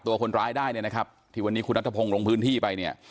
ตัวคนร้ายได้เนี่ยนะครับที่วันนี้คุณนัทพงศ์ลงพื้นที่ไปเนี่ย